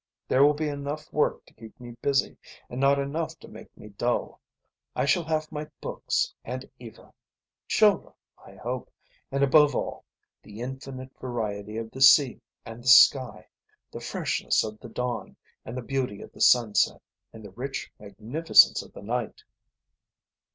There will be enough work to keep me busy and not enough to make me dull. I shall have my books and Eva, children, I hope, and above all, the infinite variety of the sea and the sky, the freshness of the dawn and the beauty of the sunset, and the rich magnificence of the night.